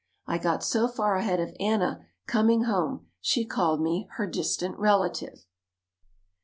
I got so far ahead of Anna coming home she called me her "distant relative."